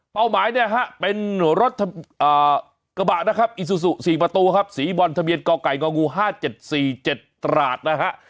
หมายเนี่ยฮะเป็นรถกระบะนะครับอิซูซู๔ประตูครับสีบอลทะเบียนกไก่ง๕๗๔๗ตราดนะฮะ